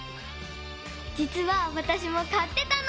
じつはわたしもかってたの！